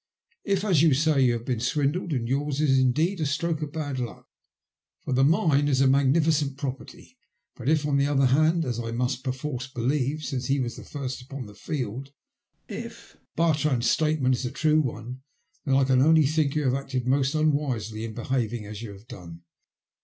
If, as you say, you have been swindled, yours is indeed a stroke of bad luck, for the mine is a magnificent property ; but if, on the other hand — as I must per force believe, since he was first upon the field — Bartrand's statement is a true one, then I can only think you have acted most unwisely in behaving as you have done.